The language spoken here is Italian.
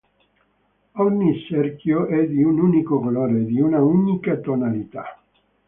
Ogni cerchio è di un unico colore e di un'unica tonalità.